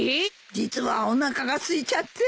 実はおなかがすいちゃって。